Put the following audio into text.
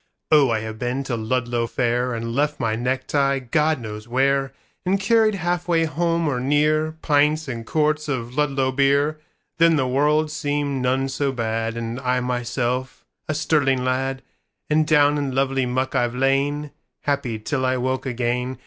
Oh I have been to Ludlow fairAnd left my necktie God knows where, And carried half way home, or near, Pints and quarts of Ludlow beer:Then the world seemed none so bad, And I myself a sterling lad; And down in lovely muck I've lain, Happy till I woke again.